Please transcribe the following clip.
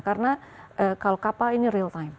karena kalau kapal ini real time